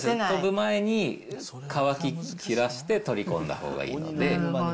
飛ぶ前に乾ききらして取り込んだほうがいいので。